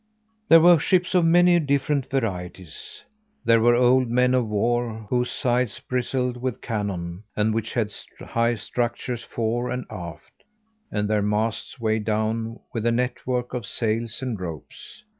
There were ships of many different varieties. There were old men of war, whose sides bristled with cannon, and which had high structures fore and aft, and their masts weighed down with a network of sails and ropes.